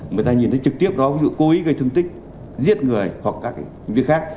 người ta nhìn thấy trực tiếp đó ví dụ cố ý gây thương tích giết người hoặc các việc khác